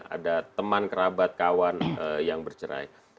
ada teman kerabat kawan yang bercerai